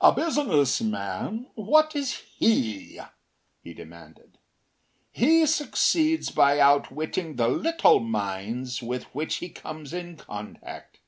“A business man what is he?” he demanded. “He succeeds by outwitting the little minds with which he comes in contact.